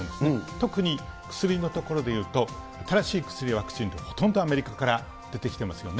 特に、薬のところでいうと、新しい薬、ワクチンはほとんどアメリカから出てきてますよね。